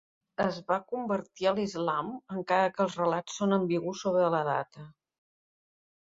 Es va convertir a l'islam encara que els relats són ambigus sobre la data.